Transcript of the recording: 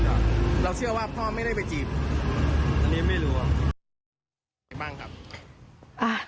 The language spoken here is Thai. เราเชื่อว่าพ่อไม่ได้ไปจีบอันนี้ไม่รู้ครับยังไงบ้างครับอ่า